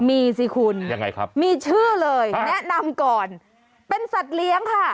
มีสิคุณยังไงครับมีชื่อเลยแนะนำก่อนเป็นสัตว์เลี้ยงค่ะ